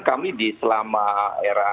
kami di selama era